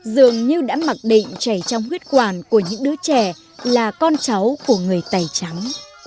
dường như đã mặc định chảy trong huyết quản của những đứa trẻ là con cháu của người tày trắng